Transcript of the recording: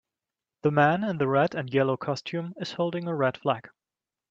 The man in the red and yellow costume is holding a red flag.